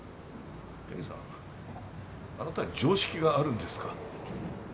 検事さんあなた常識があるんですか？